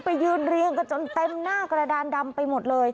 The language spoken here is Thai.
ไปยืนเรียงกันจนเต็มหน้ากระดานดำไปหมดเลย